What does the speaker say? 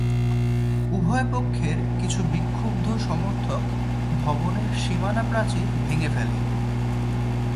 উভয় পক্ষের কিছু বিক্ষুব্ধ সমর্থক ভবনের সীমানা প্রাচীর ভেঙ্গে ফেলে।